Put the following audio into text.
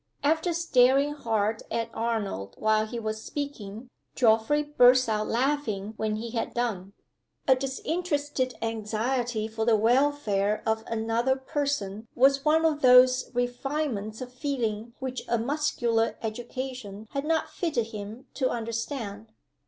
After staring hard at Arnold while he was speaking, Geoffrey burst out laughing when he had done. A disinterested anxiety for the welfare of another person was one of those refinements of feeling which a muscular education had not fitted him to understand.